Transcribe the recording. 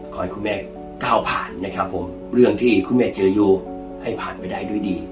ขอให้คุณแม่ก้าวผ่านนะครับผมเรื่องที่คุณแม่เจออยู่ให้ผ่านไปได้ด้วยดี